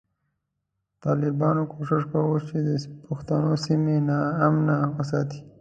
ټالبانو کوشش کوو چی د پښتنو سیمی نا امنه وساتی